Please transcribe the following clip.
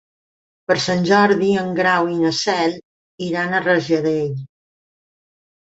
Per Sant Jordi en Grau i na Cel iran a Rajadell.